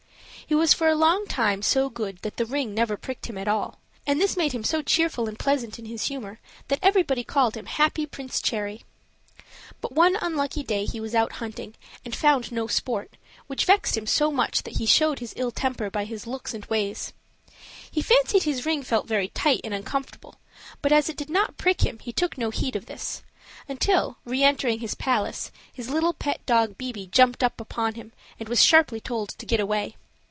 He was for a long time so good that the ring never pricked him at all; and this made him so cheerful and pleasant in his humor that everybody called him "Happy Prince Cherry." But one unlucky day he was out hunting and found no sport, which vexed him so much that he showed his ill temper by his looks and ways. He fancied his ring felt very tight and uncomfortable, but as it did not prick him he took no heed of this: until, re entering his palace, his little pet dog, Bibi, jumped up upon him and was sharply told to get away.